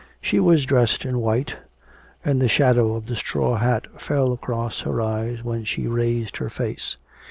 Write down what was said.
She was dressed in white, and the shadow of the straw hat fell across her eyes when she raised her face.